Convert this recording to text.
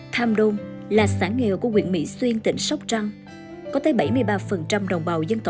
tham đôn là xã nghèo của huyện mỹ xuyên tỉnh sóc trăng